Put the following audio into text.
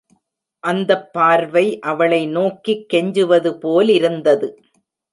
அந்தப் பார்வை அவளை நோக்கிக் கெஞ்சுவது போலிருந்தது.